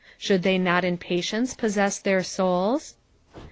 Should they not in patience possess their souls